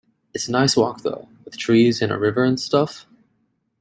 It's a nice walk though, with trees and a river and stuff.